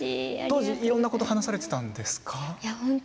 当時いろんなことを話されていたんですか。